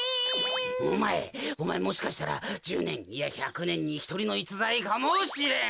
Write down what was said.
おまえおまえもしかしたら１０ねんいや１００ねんにひとりのいつざいかもしれん！